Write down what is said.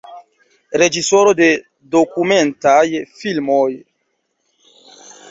Reĝisoro de dokumentaj filmoj.